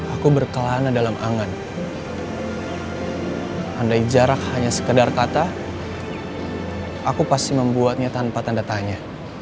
aku berkelana dalam angan tandai jarak hanya sekedar kata aku pasti membuatnya tanpa tanda tanya